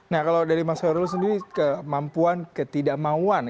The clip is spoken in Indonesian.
nah kalau dari mas khairul sendiri kemampuan ketidakmauan